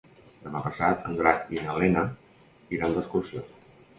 Demà passat en Drac i na Lena iran d'excursió.